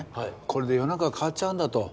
これで世の中が変わっちゃうんだと。